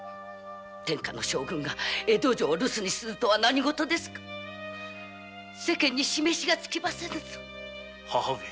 天下の将軍が江戸城を留守にするとは何ごとですか世間に示しがつきませぬぞ母上。